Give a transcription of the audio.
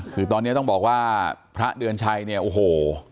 คือตอนนี้ต้องบอกว่าพระเดือนชัยเนี่ยโอ้โห